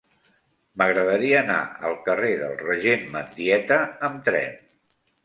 M'agradaria anar al carrer del Regent Mendieta amb tren.